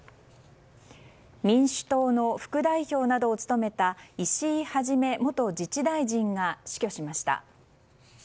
民主党の副代表などを務めた石井一元自治大臣が死去しました。